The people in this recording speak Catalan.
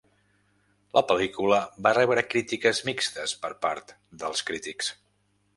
La pel·lícula va rebre crítiques mixtes per part dels crítics.